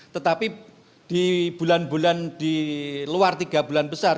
tetapi di bulan bulan di luar tiga bulan besar